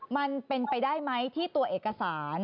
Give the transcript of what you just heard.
มันเป็นไปได้ไหมที่ตัวเอกสาร